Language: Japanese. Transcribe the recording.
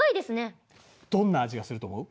どんな味がすると思う？